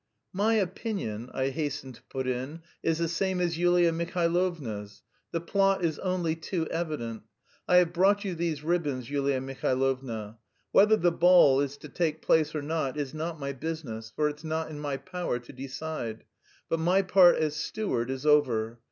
"My opinion," I hastened to put in, "is the same as Yulia Mihailovna's. The plot is only too evident. I have brought you these ribbons, Yulia Mihailovna. Whether the ball is to take place or not is not my business, for it's not in my power to decide; but my part as steward is over.